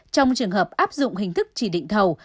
trong trường hợp áp dụng hình thức chỉ định thầu